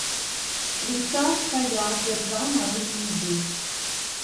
Швейцар стоял, держа наружную дверь.